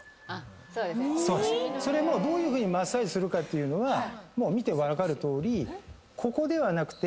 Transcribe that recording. どういうふうにマッサージするかっていうのは見て分かるとおりここではなくて耳のこの。